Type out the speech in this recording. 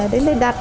đến đây đặt